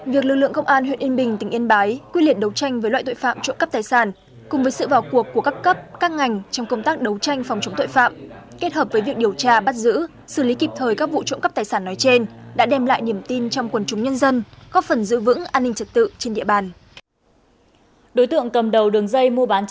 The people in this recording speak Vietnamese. việc lực lượng công an huyện yên bình tỉnh yên bái quyết liệt đấu tranh với loại tội phạm trộm cắp tài sản cùng với sự vào cuộc của các cấp các ngành trong công tác đấu tranh phòng chống tội phạm kết hợp với việc điều tra bắt giữ xử lý kịp thời các vụ trộm cắp tài sản nói trên đã đem lại niềm tin trong quần chúng nhân dân góp phần giữ vững an ninh trật tự trên địa bàn